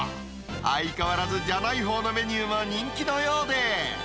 相変わらず、じゃないほうのメニューが人気のようで。